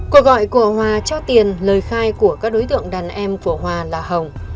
cuộc gọi của hòa cho tiền lời khai của các đối tượng đàn em của hòa là hồng